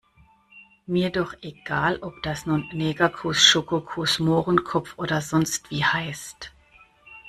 Mir doch egal, ob das nun Negerkuss, Schokokuss, Mohrenkopf oder sonstwie heißt.